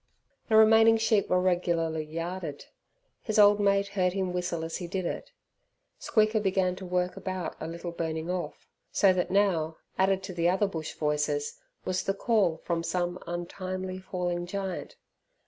The remaining sheep were regularly yarded. His old mate heard him whistle as he did it. Squeaker began to work about a little burning off. So that now, added to the other bush voices, was the call from some untimely falling giant.